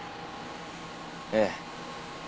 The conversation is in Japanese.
ええ。